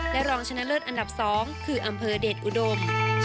และรองชนะเลิศอันดับ๒คืออำเภอเดชอุดม